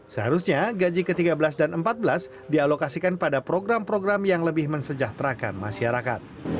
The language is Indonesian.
seharusnya gaji ke tiga belas dan ke empat belas dialokasikan pada program program yang lebih mensejahterakan masyarakat